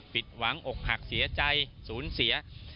ผิดหวังอกหักเสียใจสูญเสีย